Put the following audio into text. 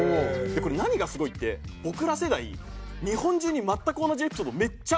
これ何がすごいって僕ら世代日本中に全く同じエピソードめっちゃあるんですよ。